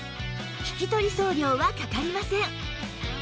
引き取り送料はかかりません